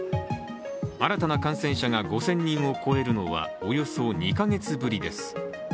新たな感染者が５０００人を超えるのはおよそ２カ月ぶりです。